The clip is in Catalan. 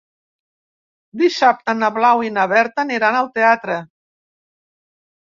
Dissabte na Blau i na Berta aniran al teatre.